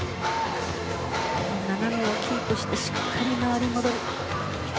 斜めをキープしてしっかり回って、戻る。